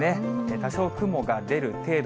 多少雲が出る程度。